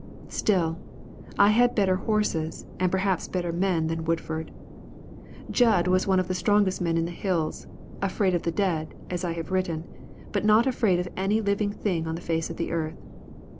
Still, I had better horses, and perhaps better men than Woodford. Jud was one of the strongest men in the Hills, afraid of the dead, as I have written, but not afraid of any living thing on the face of the earth.